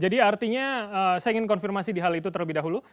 artinya saya ingin konfirmasi di hal itu terlebih dahulu